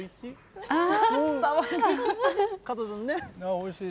おいしい。